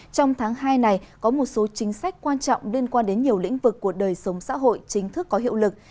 trong tháng hai này có một số chính sách quan trọng liên quan đến nhiều lĩnh vực của đời sống xã hội chính thức có hiệu lực